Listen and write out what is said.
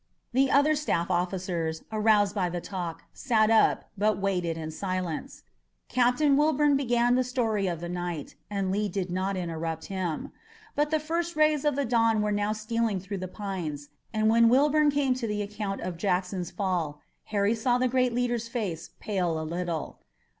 The other staff officers, aroused by the talk, sat up, but waited in silence. Captain Wilbourn began the story of the night, and Lee did not interrupt him. But the first rays of the dawn were now stealing through the pines, and when Wilbourn came to the account of Jackson's fall, Harry saw the great leader's face pale a little.